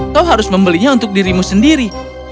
kau harus membelinya untuk dirimu sendiri